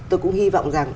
tôi cũng hy vọng rằng